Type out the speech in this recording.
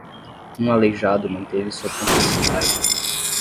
Um aleijado manteve sua pontuação baixa.